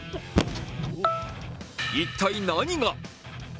一体、何が？